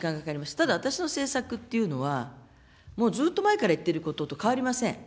ただ私の政策っていうのは、もうずっと前から言ってることと変わりません。